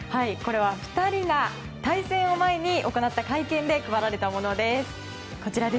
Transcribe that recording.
これは２人が対戦を前に行った会見で配られたものです。